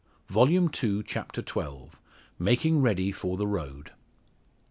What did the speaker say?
Volume Two, Chapter XII. MAKING READY FOR THE ROAD.